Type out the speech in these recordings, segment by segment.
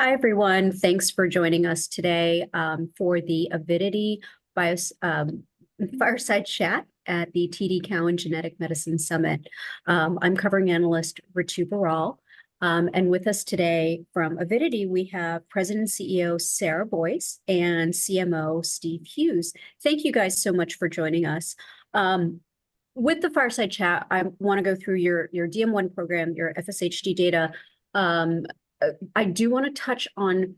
Hi, everyone. Thanks for joining us today for the Avidity Biosciences Chat at the TD Cowen Genetic Medicine Summit. I'm covering analyst Ritu Baral. With us today from Avidity, we have President and CEO Sarah Boyce and CMO Steve Hughes. Thank you guys so much for joining us. With the Fireside Chat, I want to go through your DM1 program, your FSHD data. I do want to touch on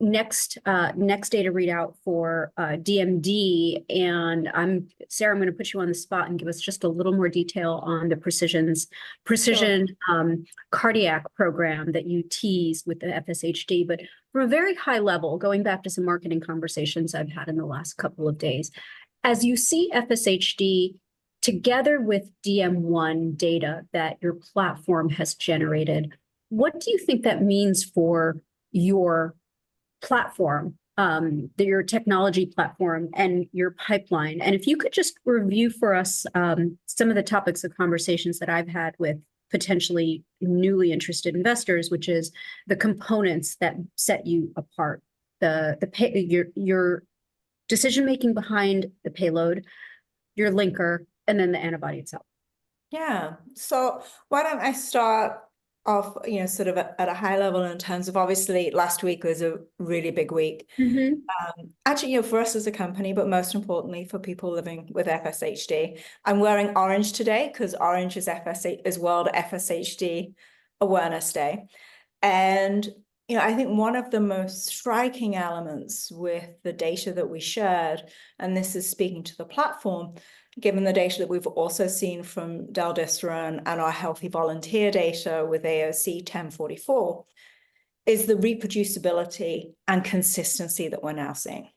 next data readout for DMD. Sarah, I'm going to put you on the spot and give us just a little more detail on the Precision Cardiology program that you tease with the FSHD. But for a very high level, going back to some marketing conversations I've had in the last couple of days, as you see FSHD together with DM1 data that your platform has generated, what do you think that means for your platform, your technology platform, and your pipeline? And if you could just review for us some of the topics of conversations that I've had with potentially newly interested investors, which is the components that set you apart, your decision-making behind the payload, your linker, and then the antibody itself. Yeah. So what I start off sort of at a high level in terms of, obviously, last week was a really big week. Actually, for us as a company, but most importantly for people living with FSHD, I'm wearing orange today because orange is World FSHD Awareness Day. And I think one of the most striking elements with the data that we shared, and this is speaking to the platform, given the data that we've also seen from delpacibart braxlosiran and our healthy volunteer data with AOC 1044, is the reproducibility and consistency that we're now seeing.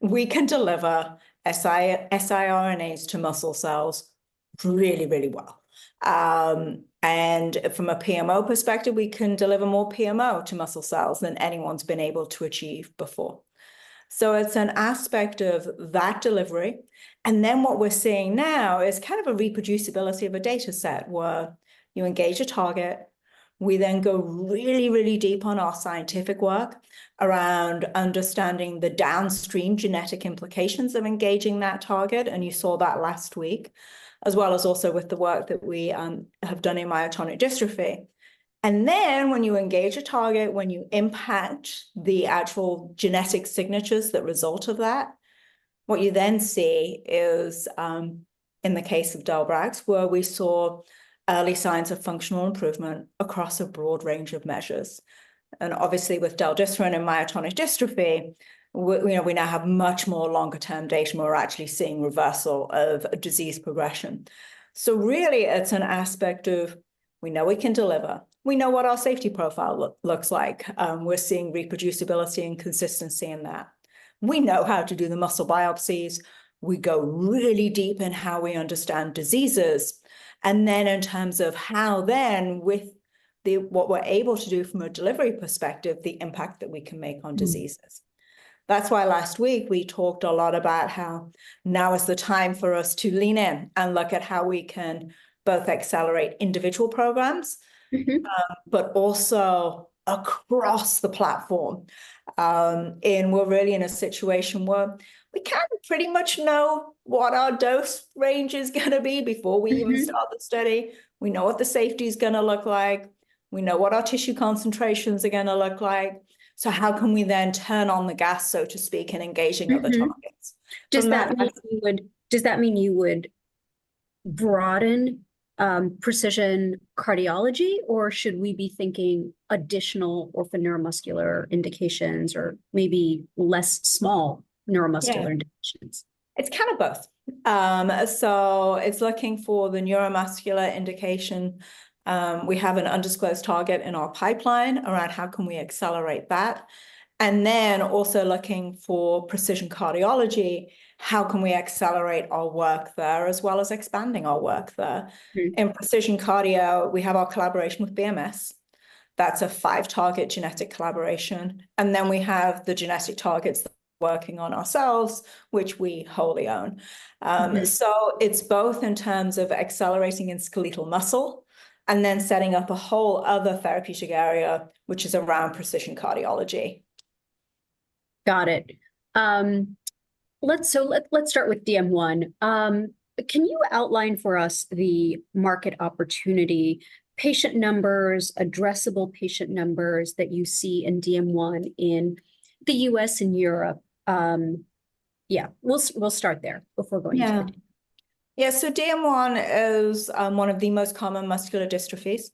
We can deliver siRNAs to muscle cells really, really well. And from a PMO perspective, we can deliver more PMO to muscle cells than anyone's been able to achieve before. So it's an aspect of that delivery. And then what we're seeing now is kind of a reproducibility of a data set where you engage a target. We then go really, really deep on our scientific work around understanding the downstream genetic implications of engaging that target. And you saw that last week, as well as also with the work that we have done in myotonic dystrophy. And then when you engage a target, when you impact the actual genetic signatures that result of that, what you then see is, in the case of delpacibart braxlosiran, where we saw early signs of functional improvement across a broad range of measures. And obviously, with del-desiran and myotonic dystrophy, we now have much more longer-term data where we're actually seeing reversal of disease progression. So really, it's an aspect of, we know we can deliver. We know what our safety profile looks like. We're seeing reproducibility and consistency in that. We know how to do the muscle biopsies. We go really deep in how we understand diseases. And then in terms of how then, with what we're able to do from a delivery perspective, the impact that we can make on diseases. That's why last week we talked a lot about how now is the time for us to lean in and look at how we can both accelerate individual programs, but also across the platform. And we're really in a situation where we kind of pretty much know what our dose range is going to be before we even start the study. We know what the safety is going to look like. We know what our tissue concentrations are going to look like. So how can we then turn on the gas, so to speak, in engaging other targets? Does that mean you would broaden precision cardiology, or should we be thinking additional other neuromuscular indications or maybe less small neuromuscular indications? It's kind of both. So it's looking for the neuromuscular indication. We have an undisclosed target in our pipeline around how can we accelerate that. And then also looking for precision cardiology, how can we accelerate our work there as well as expanding our work there. In precision cardio, we have our collaboration with BMS. That's a five-target genetic collaboration. And then we have the genetic targets that we're working on ourselves, which we wholly own. So it's both in terms of accelerating in skeletal muscle and then setting up a whole other therapeutic area, which is around precision cardiology. Got it. So let's start with DM1. Can you outline for us the market opportunity, patient numbers, addressable patient numbers that you see in DM1 in the U.S. and Europe? Yeah, we'll start there before going to the DM1. Yeah. So DM1 is one of the most common muscular dystrophies.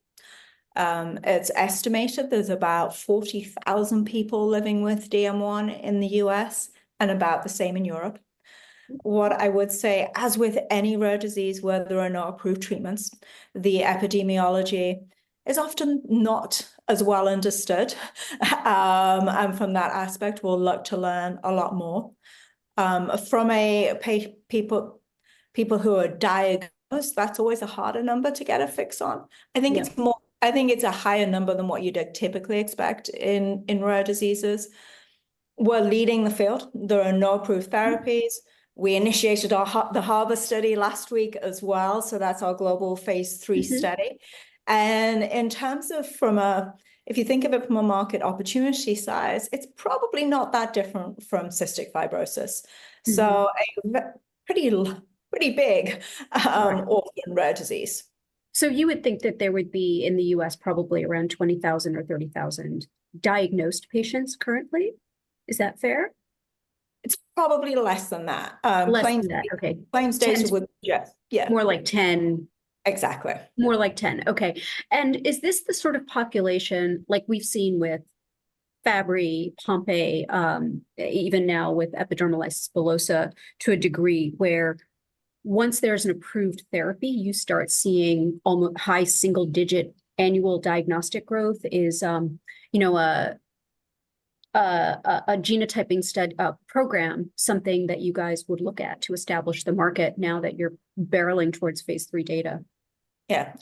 It's estimated there's about 40,000 people living with DM1 in the U.S. and about the same in Europe. What I would say, as with any rare disease, whether or not approved treatments, the epidemiology is often not as well understood. And from that aspect, we'll look to learn a lot more. From people who are diagnosed, that's always a harder number to get a fix on. I think it's a higher number than what you'd typically expect in rare diseases. We're leading the field. There are no approved therapies. We initiated the HARBOR study last week as well. So that's our global Phase III study. And in terms of, if you think of it from a market opportunity size, it's probably not that different from cystic fibrosis. So a pretty big orphan rare disease. You would think that there would be in the U.S. probably around 20,000 or 30,000 diagnosed patients currently? Is that fair? It's probably less than that. Less than that. Okay. Claims data would suggest. More like 10. Exactly. More like 10. Okay. Is this the sort of population like we've seen with Fabry, Pompe, even now with epidermolysis bullosa to a degree where once there's an approved therapy, you start seeing high single-digit annual diagnostic growth? Is a genotyping program, something that you guys would look at to establish the market now that you're barreling towards Phase III data? Yeah,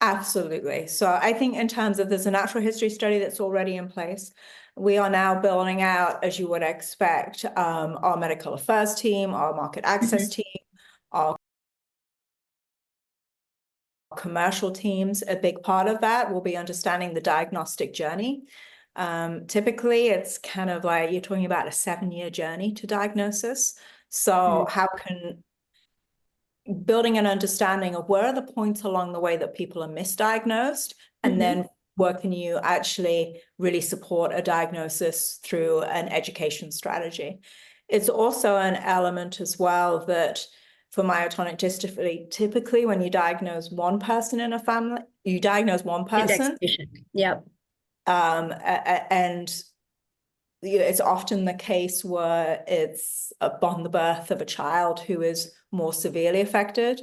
absolutely. So I think in terms of there's a natural history study that's already in place. We are now building out, as you would expect, our medical affairs team, our market access team, our commercial teams. A big part of that will be understanding the diagnostic journey. Typically, it's kind of like you're talking about a seven-year journey to diagnosis. So building an understanding of where are the points along the way that people are misdiagnosed and then working you actually really support a diagnosis through an education strategy. It's also an element as well that for myotonic dystrophy, typically when you diagnose one person in a family, you diagnose one person. You get sufficient. Yeah. It's often the case where it's upon the birth of a child who is more severely affected.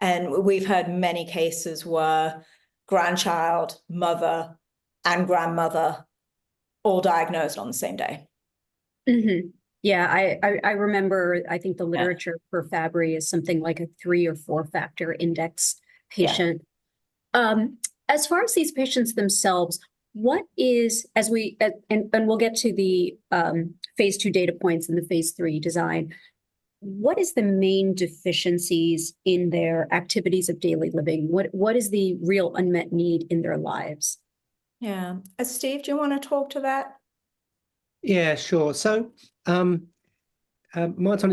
And we've had many cases where grandchild, mother, and grandmother all diagnosed on the same day. Yeah. I remember, I think the literature for Fabry is something like a three or four-factor index patient. As far as these patients themselves, what is, and we'll get to the Phase II data points and the Phase III design, what is the main deficiencies in their activities of daily living? What is the real unmet need in their lives? Yeah. Steve, do you want to talk to that? Yeah, sure. So myotonic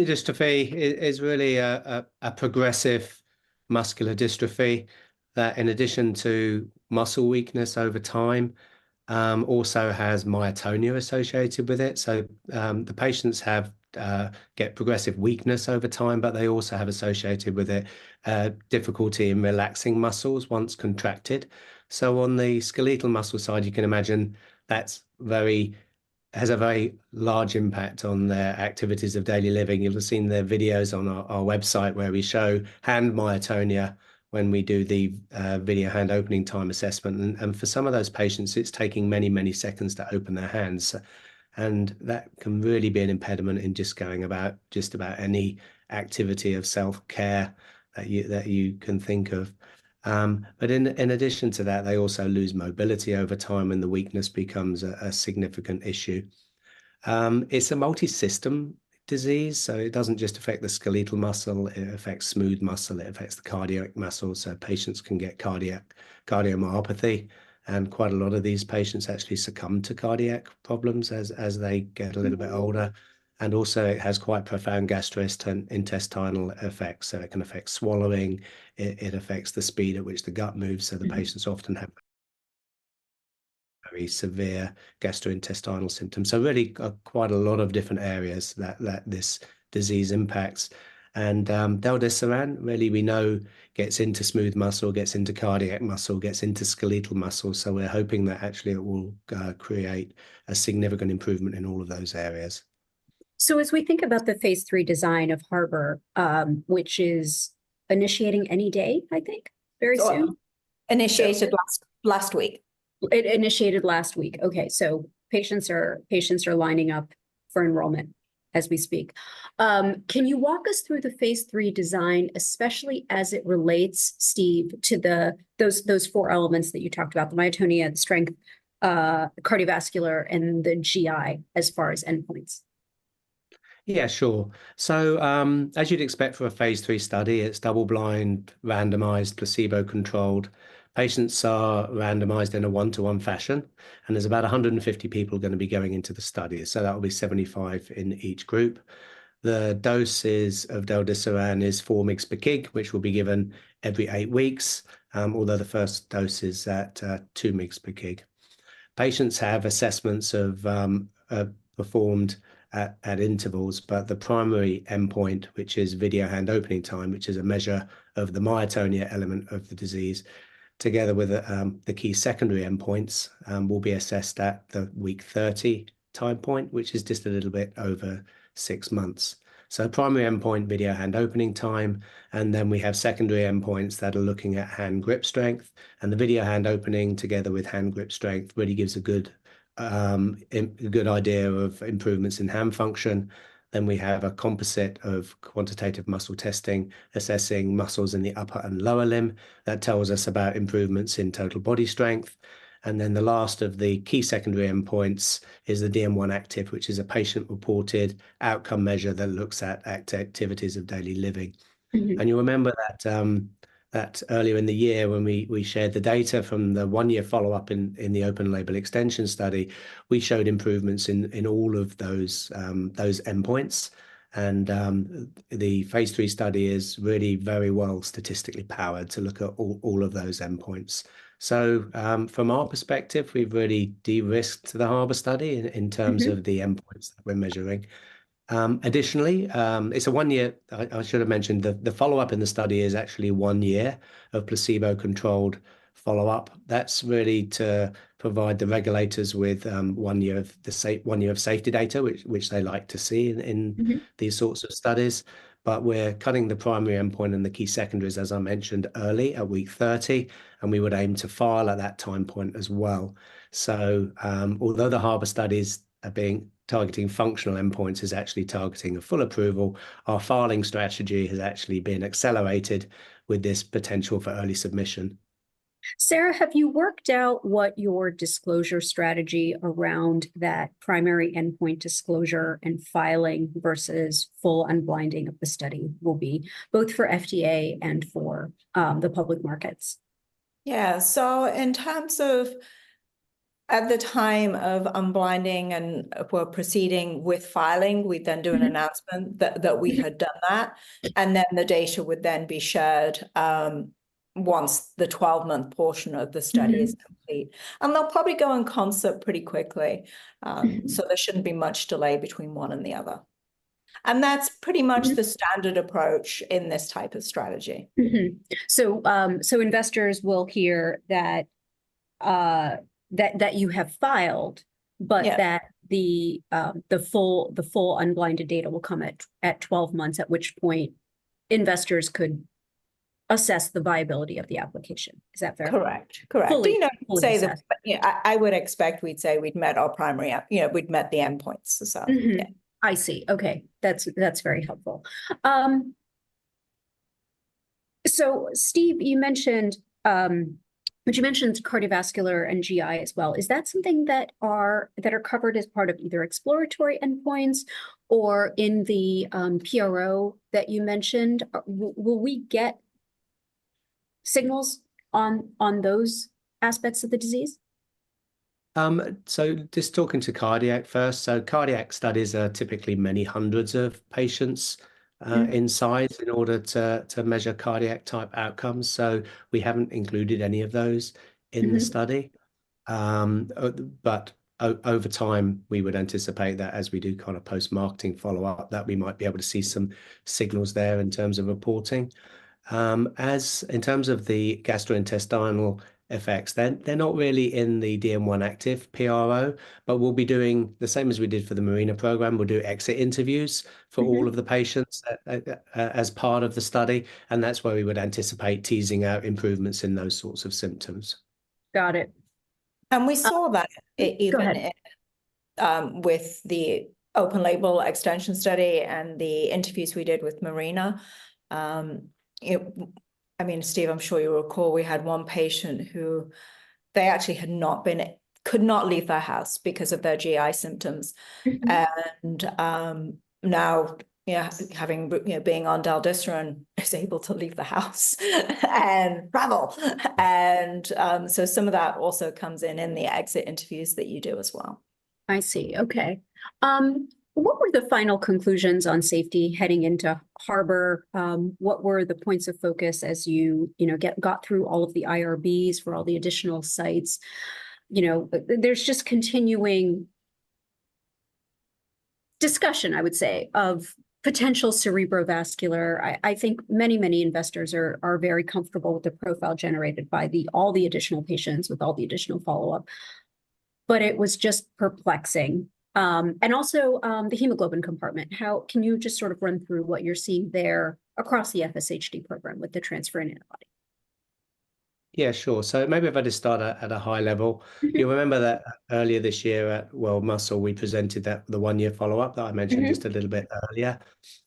dystrophy is really a progressive muscular dystrophy that, in addition to muscle weakness over time, also has myotonia associated with it. So the patients get progressive weakness over time, but they also have associated with it difficulty in relaxing muscles once contracted. So on the skeletal muscle side, you can imagine that has a very large impact on their activities of daily living. You'll have seen the videos on our website where we show hand myotonia when we do the video hand opening time assessment. And for some of those patients, it's taking many, many seconds to open their hands. And that can really be an impediment in just going about just about any activity of self-care that you can think of. But in addition to that, they also lose mobility over time, and the weakness becomes a significant issue. It's a multi-system disease, so it doesn't just affect the skeletal muscle. It affects smooth muscle. It affects the cardiac muscle. So patients can get cardiomyopathy. And quite a lot of these patients actually succumb to cardiac problems as they get a little bit older. And also, it has quite profound gastrointestinal effects. So it can affect swallowing. It affects the speed at which the gut moves. So the patients often have very severe gastrointestinal symptoms. So really, quite a lot of different areas that this disease impacts. And del-desiran, really, we know gets into smooth muscle, gets into cardiac muscle, gets into skeletal muscle. So we're hoping that actually it will create a significant improvement in all of those areas. As we think about the Phase III design of HARBOR, which is initiating any day, I think, very soon. Initiated last week. It initiated last week. Okay. Patients are lining up for enrollment as we speak. Can you walk us through the Phase III design, especially as it relates, Steve, to those four elements that you talked about, the myotonia, the strength, cardiovascular, and the GI as far as endpoints? Yeah, sure. So as you'd expect for a Phase III study, it's double-blind, randomized, placebo-controlled. Patients are randomized in a 1:1 fashion. And there's about 150 people going to be going into the study. So that will be 75 in each group. The doses of del-desiran is 4 mg/kg, which will be given every eight weeks, although the first dose is at 2 mg/kg. Patients have assessments performed at intervals, but the primary endpoint, which is video hand opening time, which is a measure of the myotonia element of the disease, together with the key secondary endpoints, will be assessed at the week 30 time point, which is just a little bit over 6 months. So primary endpoint, video hand opening time. And then we have secondary endpoints that are looking at hand grip strength. The video hand opening, together with hand grip strength, really gives a good idea of improvements in hand function. We have a composite of quantitative muscle testing, assessing muscles in the upper and lower limb. That tells us about improvements in total body strength. The last of the key secondary endpoints is the DM1-Activ, which is a patient-reported outcome measure that looks at activities of daily living. You'll remember that earlier in the year when we shared the data from the one-year follow-up in the open-label extension study, we showed improvements in all of those endpoints. The Phase III study is really very well statistically powered to look at all of those endpoints. From our perspective, we've really de-risked the HARBOR study in terms of the endpoints that we're measuring. Additionally, it's a one-year. I should have mentioned the follow-up in the study is actually one year of placebo-controlled follow-up. That's really to provide the regulators with one year of safety data, which they like to see in these sorts of studies. But we're cutting the primary endpoint and the key secondaries, as I mentioned early, at week 30. And we would aim to file at that time point as well. So although the HARBOR studies are targeting functional endpoints, it's actually targeting a full approval. Our filing strategy has actually been accelerated with this potential for early submission. Sarah, have you worked out what your disclosure strategy around that primary endpoint disclosure and filing versus full unblinding of the study will be, both for FDA and for the public markets? Yeah. So in terms of at the time of unblinding and proceeding with filing, we'd then do an announcement that we had done that. And then the data would then be shared once the 12-month portion of the study is complete. And they'll probably go in concert pretty quickly. So there shouldn't be much delay between one and the other. And that's pretty much the standard approach in this type of strategy. Investors will hear that you have filed, but that the full unblinded data will come at 12 months, at which point investors could assess the viability of the application. Is that fair? Correct. Correct. I would expect we'd say we'd met our primary, we'd met the endpoints. I see. Okay. That's very helpful. So Steve, you mentioned cardiovascular and GI as well. Is that something that are covered as part of either exploratory endpoints or in the PRO that you mentioned? Will we get signals on those aspects of the disease? So just talking to cardiac first. So cardiac studies are typically many hundreds of patients, i.e., in order to measure cardiac-type outcomes. So we haven't included any of those in the study. But over time, we would anticipate that as we do kind of post-marketing follow-up, that we might be able to see some signals there in terms of reporting. In terms of the gastrointestinal effects, they're not really in the DM1-Activ PRO, but we'll be doing the same as we did for the MARINA program. We'll do exit interviews for all of the patients as part of the study. That's where we would anticipate teasing out improvements in those sorts of symptoms. Got it. And we saw that even with the open-label extension study and the interviews we did with MARINA. I mean, Steve, I'm sure you recall we had one patient who they actually could not leave their house because of their GI symptoms. And now, being on del-desiran, is able to leave the house and travel. And so some of that also comes in in the exit interviews that you do as well. I see. Okay. What were the final conclusions on safety heading into HARBOR? What were the points of focus as you got through all of the IRBs for all the additional sites? There's just continuing discussion, I would say, of potential cerebrovascular. I think many, many investors are very comfortable with the profile generated by all the additional patients with all the additional follow-up. But it was just perplexing. And also the hemoglobin compartment. Can you just sort of run through what you're seeing there across the FSHD program with the transferrin antibody? Yeah, sure. So maybe if I just start at a high level. You'll remember that earlier this year at World Muscle, we presented the one-year follow-up that I mentioned just a little bit earlier.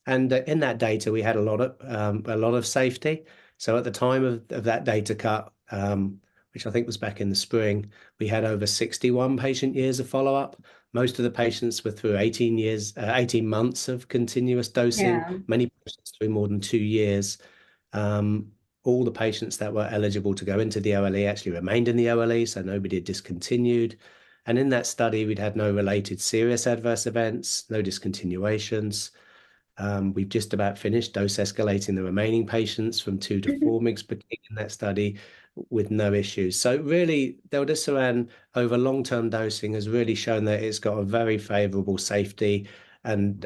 And in that data, we had a lot of safety. So at the time of that data cut, which I think was back in the spring, we had over 61 patient years of follow-up. Most of the patients were through 18 months of continuous dosing. Many patients through more than two years. All the patients that were eligible to go into the OLE actually remained in the OLE, so nobody had discontinued. And in that study, we'd had no related serious adverse events, no discontinuations. We've just about finished dose-escalating the remaining patients from 2 to 4 mg per kg in that study with no issues. So really, del-desiran over long-term dosing has really shown that it's got a very favorable safety and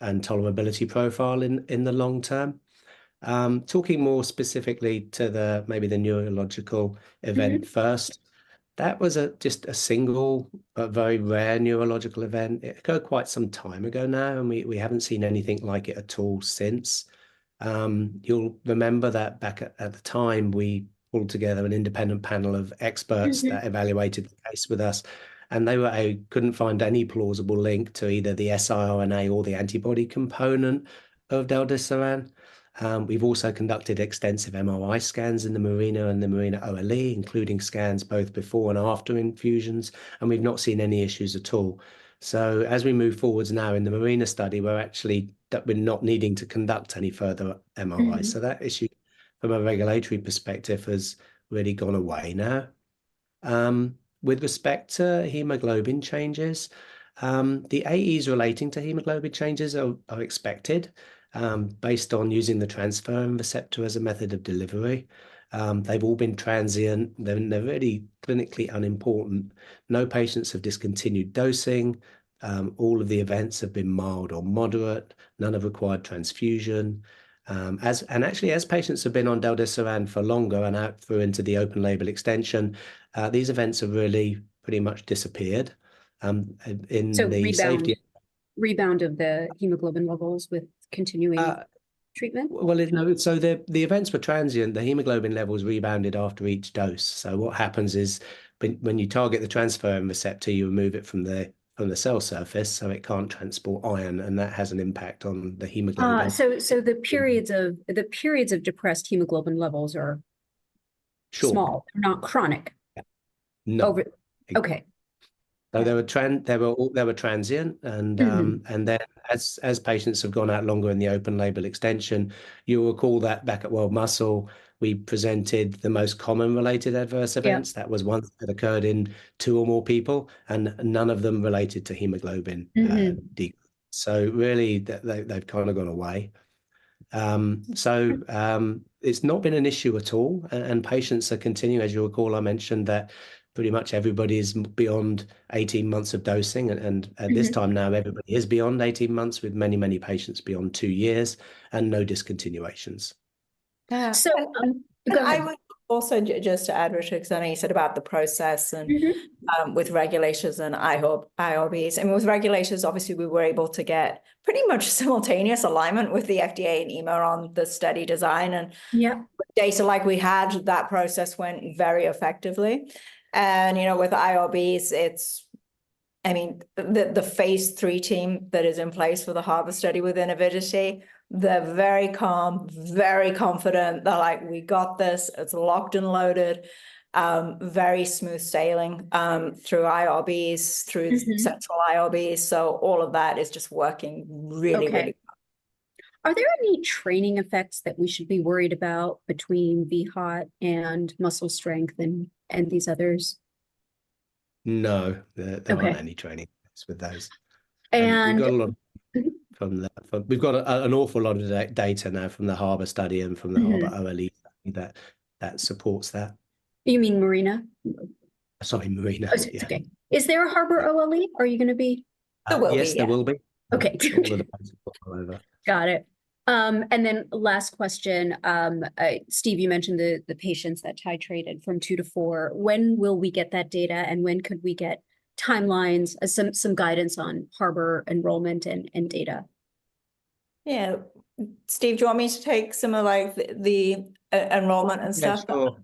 tolerability profile in the long term. Talking more specifically to maybe the neurological event first, that was just a single, very rare neurological event. It occurred quite some time ago now, and we haven't seen anything like it at all since. You'll remember that back at the time, we pulled together an independent panel of experts that evaluated the case with us. And they couldn't find any plausible link to either the siRNA or the antibody component of del-desiran. We've also conducted extensive MRI scans in the MARINA and the MARINA OLE, including scans both before and after infusions. And we've not seen any issues at all. So as we move forward now in the MARINA study, we're not needing to conduct any further MRI. So that issue from a regulatory perspective has really gone away now. With respect to hemoglobin changes, the AEs relating to hemoglobin changes are expected based on using the transferrin receptor as a method of delivery. They've all been transient. They're really clinically unimportant. No patients have discontinued dosing. All of the events have been mild or moderate. None have required transfusion. And actually, as patients have been on del-desiran for longer and out through into the open-label extension, these events have really pretty much disappeared in the safety. So rebound of the hemoglobin levels with continuing treatment? Well, so the events were transient. The hemoglobin levels rebounded after each dose. So what happens is when you target the transferrin receptor, you remove it from the cell surface, so it can't transport iron. And that has an impact on the hemoglobin. The periods of depressed hemoglobin levels are small, not chronic. No. Okay. So they were transient. And then as patients have gone out longer in the open label extension, you'll recall that back at World Muscle, we presented the most common related adverse events. That was ones that occurred in two or more people, and none of them related to hemoglobin. So really, they've kind of gone away. So it's not been an issue at all. And patients are continuing. As you recall, I mentioned that pretty much everybody is beyond 18 months of dosing. And at this time now, everybody is beyond 18 months with many, many patients beyond two years and no discontinuations. I would also just add, Ritu, because I know you said about the process and with regulations and IRBs. I mean, with regulations, obviously, we were able to get pretty much simultaneous alignment with the FDA and EMA on the study design. With data like we had, that process went very effectively. With IRBs, I mean, the Phase III team that is in place for the Harbor study within Avidity, they're very calm, very confident. They're like, "We got this. It's locked and loaded." Very smooth sailing through IRBs, through central IRBs. So all of that is just working really, really well. Are there any training effects that we should be worried about between VHOT and muscle strength and these others? No. There aren't any training effects with those. We've got a lot of that. We've got an awful lot of data now from the HARBOR study and from the HARBOR OLE that supports that. You mean MARINA? Sorry, MARINA. That's okay. Is there a HARBOR OLE? Are you going to be? There will be. Okay. All of the patients will come over. Got it. And then last question. Steve, you mentioned the patients that titrated from two to four. When will we get that data? And when could we get timelines, some guidance on HARBOR enrollment and data? Yeah. Steve, do you want me to take some of the enrollment and stuff? Yeah, sure.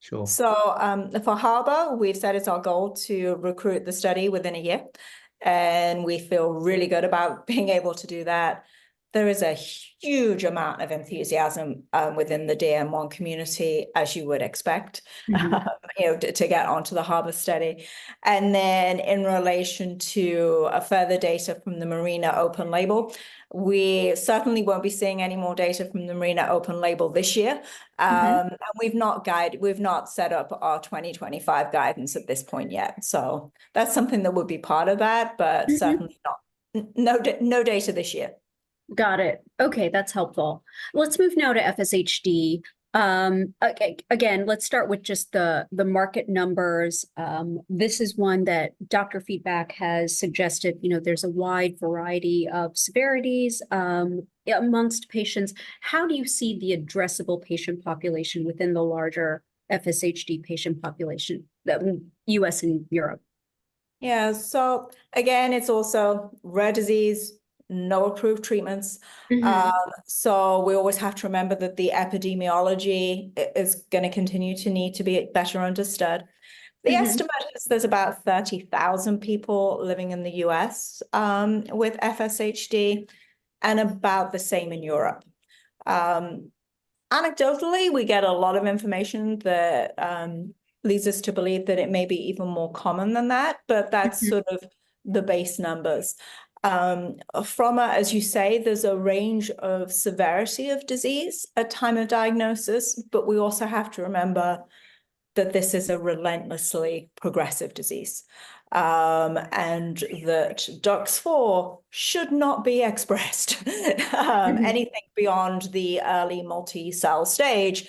Sure. So for Harbor, we've said it's our goal to recruit the study within a year. We feel really good about being able to do that. There is a huge amount of enthusiasm within the DM1 community, as you would expect, to get onto the Harbor study. Then in relation to further data from the MARINA open label, we certainly won't be seeing any more data from the MARINA open label this year. We've not set up our 2025 guidance at this point yet. So that's something that would be part of that, but certainly no data this year. Got it. Okay. That's helpful. Let's move now to FSHD. Again, let's start with just the market numbers. This is one that doctor feedback has suggested. There's a wide variety of severities among patients. How do you see the addressable patient population within the larger FSHD patient population in the U.S. and Europe? Yeah. So again, it's also rare disease, no approved treatments. So we always have to remember that the epidemiology is going to continue to need to be better understood. The estimate is there's about 30,000 people living in the U.S. with FSHD and about the same in Europe. Anecdotally, we get a lot of information that leads us to believe that it may be even more common than that, but that's sort of the base numbers. From, as you say, there's a range of severity of disease at time of diagnosis, but we also have to remember that this is a relentlessly progressive disease and that DUX4 should not be expressed, anything beyond the early multicell stage.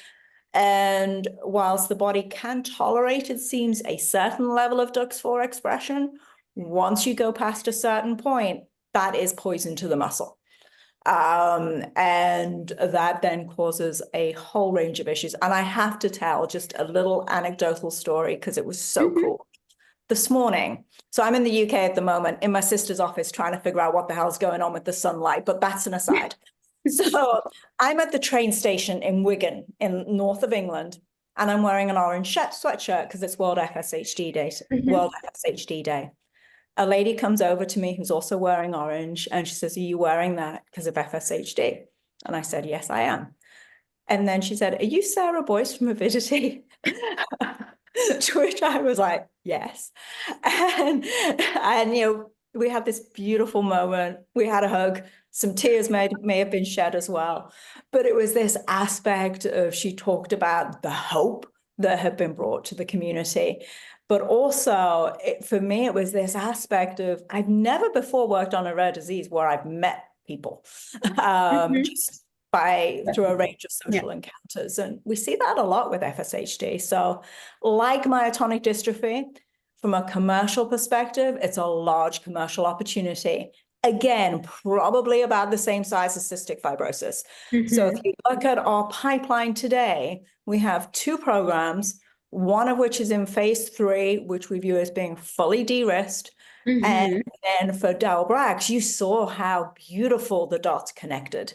And while the body can tolerate, it seems, a certain level of DUX4 expression, once you go past a certain point, that is poison to the muscle. And that then causes a whole range of issues. And I have to tell just a little anecdotal story because it was so cool. This morning, so I'm in the U.K. at the moment in my sister's office trying to figure out what the hell's going on with the sunlight, but that's an aside. So I'm at the train station in Wigan, in north of England, and I'm wearing an orange sweatshirt because it's World FSHD Day. A lady comes over to me who's also wearing orange, and she says, "Are you wearing that because of FSHD?" And I said, "Yes, I am." And then she said, "Are you Sarah Boyce from Avidity?" To which I was like, "Yes." And we had this beautiful moment. We had a hug. Some tears may have been shed as well. But it was this aspect of, she talked about the hope that had been brought to the community. But also, for me, it was this aspect of, I've never before worked on a rare disease where I've met people just through a range of social encounters. And we see that a lot with FSHD. So like myotonic dystrophy, from a commercial perspective, it's a large commercial opportunity. Again, probably about the same size as cystic fibrosis. So if you look at our pipeline today, we have two programs, one of which is in phase three, which we view as being fully de-risked. And then for delpacibart braxlosiran, you saw how beautiful the dots connected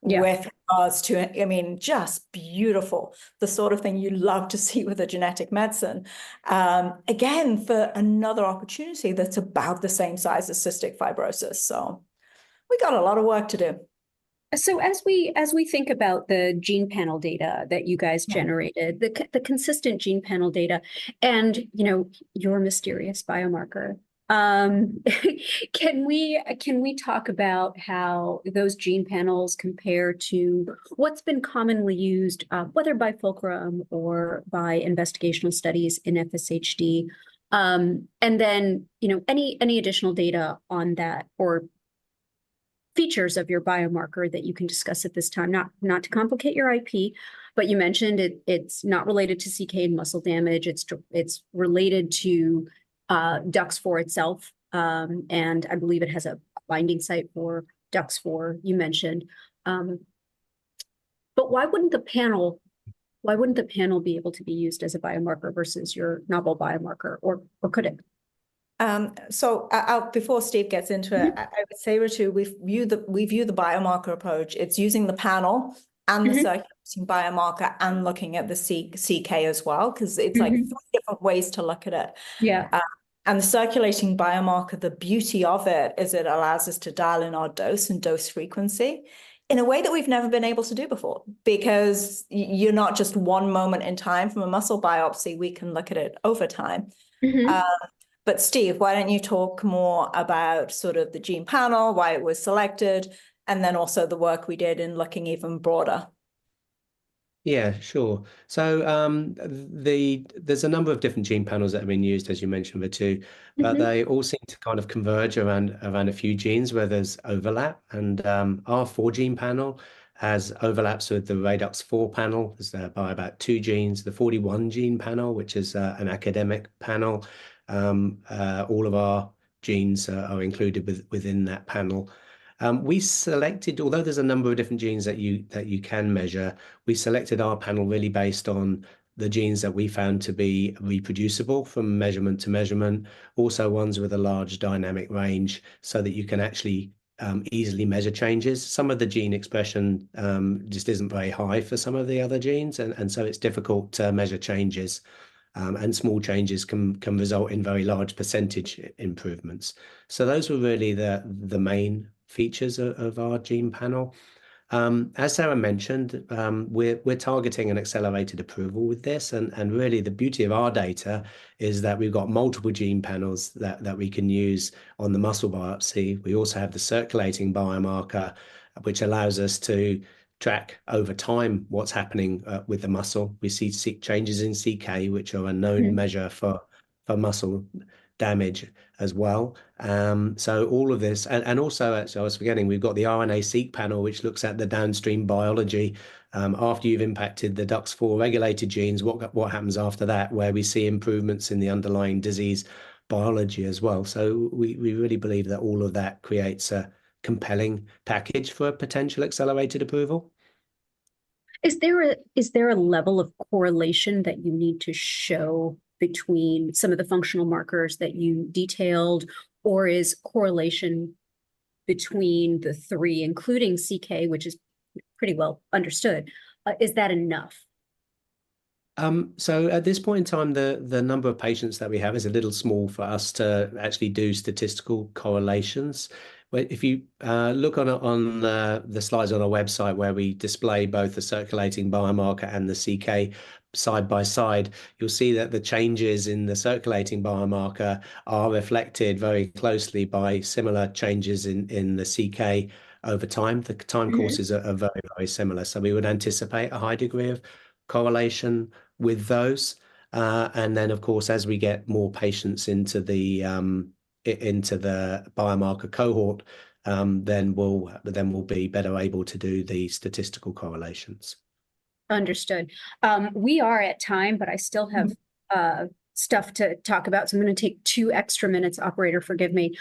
with regards to, I mean, just beautiful, the sort of thing you love to see with a genetic medicine. Again, for another opportunity that's about the same size as cystic fibrosis. We got a lot of work to do. So as we think about the gene panel data that you guys generated, the consistent gene panel data, and your mysterious biomarker, can we talk about how those gene panels compare to what's been commonly used, whether by Fulcrum or by investigational studies in FSHD? And then any additional data on that or features of your biomarker that you can discuss at this time? Not to complicate your IP, but you mentioned it's not related to CK and muscle damage. It's related to DUX4 itself. And I believe it has a binding site for DUX4 you mentioned. But why wouldn't the panel be able to be used as a biomarker versus your novel biomarker? Or could it? Before Steve gets into it, I would say, Ritu, we view the biomarker approach. It's using the panel and the circulating biomarker and looking at the CK as well because it's like four different ways to look at it. The circulating biomarker, the beauty of it is it allows us to dial in our dose and dose frequency in a way that we've never been able to do before because you're not just one moment in time from a muscle biopsy. We can look at it over time. Steve, why don't you talk more about sort of the gene panel, why it was selected, and then also the work we did in looking even broader? Yeah, sure. So there's a number of different gene panels that have been used, as you mentioned, the two. But they all seem to kind of converge around a few genes where there's overlap. And our four-gene panel has overlaps with the ReDUX4 panel. There's by about two genes. The 41-gene panel, which is an academic panel, all of our genes are included within that panel. Although there's a number of different genes that you can measure, we selected our panel really based on the genes that we found to be reproducible from measurement to measurement. Also, ones with a large dynamic range so that you can actually easily measure changes. Some of the gene expression just isn't very high for some of the other genes. And so it's difficult to measure changes. And small changes can result in very large percentage improvements. So those were really the main features of our gene panel. As Sarah mentioned, we're targeting an accelerated approval with this. And really, the beauty of our data is that we've got multiple gene panels that we can use on the muscle biopsy. We also have the circulating biomarker, which allows us to track over time what's happening with the muscle. We see changes in CK, which are a known measure for muscle damage as well. So all of this. And also, I was forgetting, we've got the RNA-seq panel, which looks at the downstream biology. After you've impacted the DUX4 regulated genes, what happens after that, where we see improvements in the underlying disease biology as well. So we really believe that all of that creates a compelling package for a potential accelerated approval. Is there a level of correlation that you need to show between some of the functional markers that you detailed, or is correlation between the three, including CK, which is pretty well understood, enough? So at this point in time, the number of patients that we have is a little small for us to actually do statistical correlations. If you look on the slides on our website where we display both the circulating biomarker and the CK side by side, you'll see that the changes in the circulating biomarker are reflected very closely by similar changes in the CK over time. The time courses are very, very similar. So we would anticipate a high degree of correlation with those. And then, of course, as we get more patients into the biomarker cohort, then we'll be better able to do the statistical correlations. Understood. We are at time, but I still have stuff to talk about. So I'm going to take two extra minutes, operator, forgive me.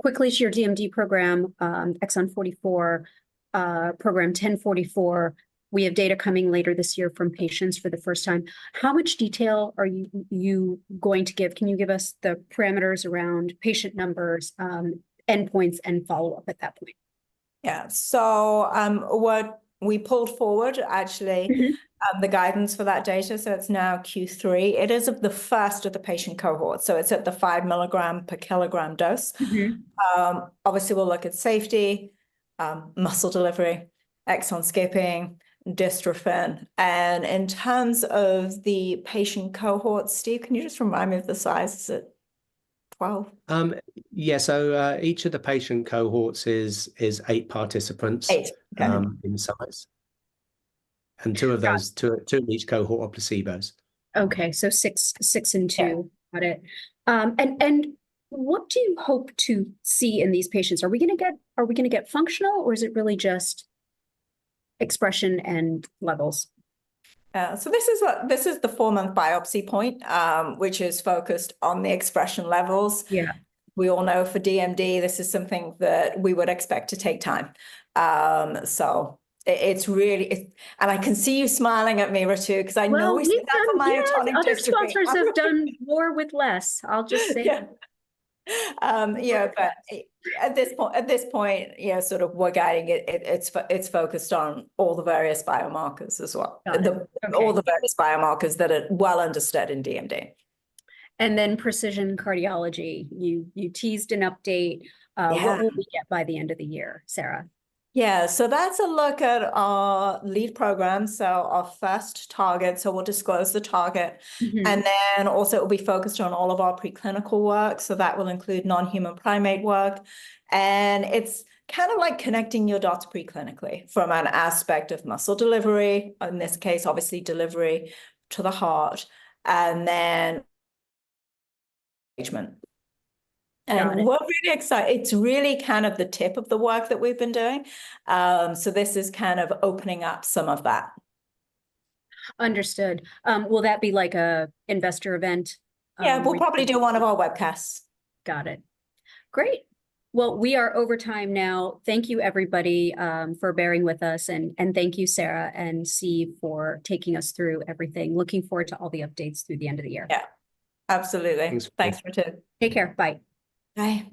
Quickly, your DMD program, Exon 44, program 1044, we have data coming later this year from patients for the first time. How much detail are you going to give? Can you give us the parameters around patient numbers, endpoints, and follow-up at that point? Yeah. So what we pulled forward, actually, the guidance for that data, so it's now Q3, it is the first of the patient cohort. So it's at the 5 mg/kg dose. Obviously, we'll look at safety, muscle delivery, exon skipping, dystrophin. And in terms of the patient cohorts, Steve, can you just remind me of the size? Is it 12? Yeah. So each of the patient cohorts is eight participants. Eight. Okay. In size. Two of those, two of each cohort are placebos. Okay. So six and two. Got it. And what do you hope to see in these patients? Are we going to get functional, or is it really just expression and levels? So this is the four-month biopsy point, which is focused on the expression levels. We all know for DMD, this is something that we would expect to take time. So it's really, and I can see you smiling at me, Ritu, because I know we see that for myotonic dystrophy. Yeah. These cultures have done more with less, I'll just say. Yeah. But at this point, sort of we're guiding it. It's focused on all the various biomarkers as well. All the various biomarkers that are well understood in DMD. Precision cardiology. You teased an update. What will we get by the end of the year, Sarah? Yeah. So that's a look at our lead program. So our first target, so we'll disclose the target. And then also it will be focused on all of our preclinical work. So that will include non-human primate work. And it's kind of like connecting your dots preclinically from an aspect of muscle delivery, in this case, obviously delivery to the heart, and then engagement. And we're really excited. It's really kind of the tip of the work that we've been doing. So this is kind of opening up some of that. Understood. Will that be like an investor event? Yeah. We'll probably do one of our webcasts. Got it. Great. Well, we are over time now. Thank you, everybody, for bearing with us. Thank you, Sarah and Steve for taking us through everything. Looking forward to all the updates through the end of the year. Yeah. Absolutely. Thanks, Ritu. Take care. Bye. Bye.